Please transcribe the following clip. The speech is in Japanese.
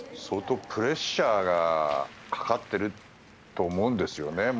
相当、プレッシャーがかかっていると思うんですよね。